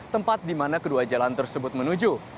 tempat di mana kedua jalan tersebut menuju